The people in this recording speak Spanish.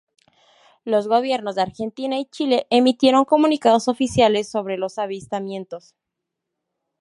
Los Gobiernos de Argentina y Chile emitieron comunicados oficiales sobre los avistamientos.